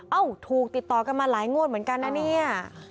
ถูกติดต่อกันมาหลายงวดเหมือนกันนะเนี่ย